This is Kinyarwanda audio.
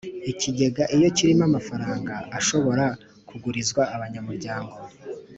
ikigega iyo kirimo amafaranga ashobora kugurizwa abanyamuryango